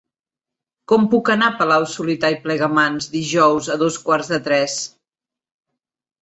Com puc anar a Palau-solità i Plegamans dijous a dos quarts de tres?